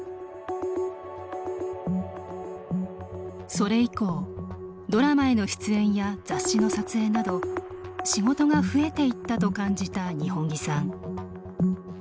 それ以降、ドラマへの出演や雑誌の撮影など仕事が増えていったと感じた二本樹さん。